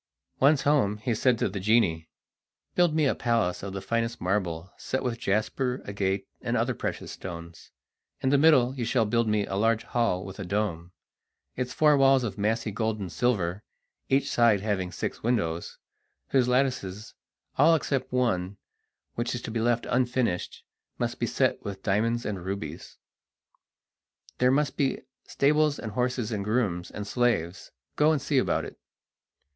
Once home he said to the genie: "Build me a palace of the finest marble, set with jasper, agate, and other precious stones. In the middle you shall build me a large hall with a dome, its four walls of massy gold and silver, each side having six windows, whose lattices, all except one, which is to be left unfinished, must be set with diamonds and rubies. There must be stables and horses and grooms and slaves; go and see about it!"